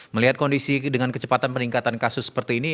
melihat kondisi dengan kecepatan peningkatan kasus seperti ini